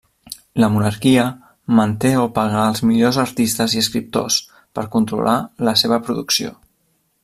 La monarquia manté o paga els millors artistes i escriptors, per controlar la seva producció.